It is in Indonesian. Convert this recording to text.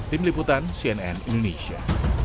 tim liputan cnn indonesia